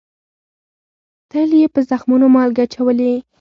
تل یې په زخمونو مالگې اچولې